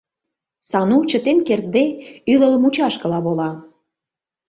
Сану, чытен кертде, ӱлыл мучашкыла вола.